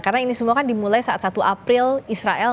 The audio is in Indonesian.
karena ini semua kan dimulai saat satu april israel